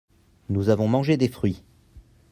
nous avons mangé des fruits.